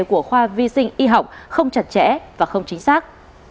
của khoa vi sinh y học không chặt chẽ và không chính xác